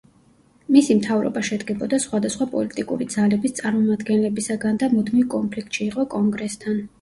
მისი მთავრობა შედგებოდა სხვადასხვა პოლიტიკური ძალების წარმომადგენლებისაგან და მუდმივ კონფლიქტში იყო კონგრესთან.